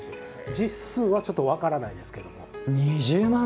実数は、ちょっと分からないですけれども。